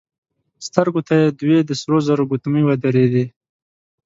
سترګو ته يې دوې د سرو زرو ګوتمۍ ودرېدې.